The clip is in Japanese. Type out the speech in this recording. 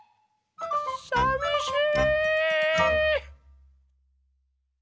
さみしい。